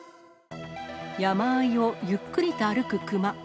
山あいをゆっくりと歩くクマ。